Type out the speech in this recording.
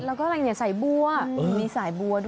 แล้วก็อะไรเนี่ยสายบัวมีสายบัวด้วย